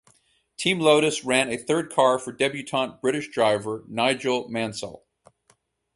Team Lotus ran a third car for debutant British driver Nigel Mansell.